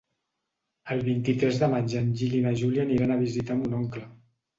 El vint-i-tres de maig en Gil i na Júlia aniran a visitar mon oncle.